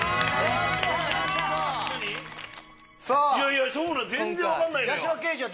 いやいやそうなの全然分かんないのよ。